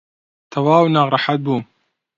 تەواو ناڕەحەت بووم.